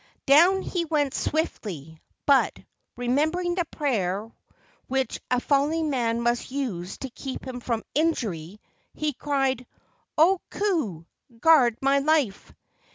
Down he went swiftly, but, remembering the prayer which a falling man must use to keep him from injury, he cried, "O Ku! guard my life!"